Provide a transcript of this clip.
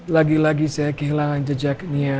lagi lagi saya kehilangan jejak nia